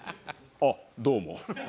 あっどうも。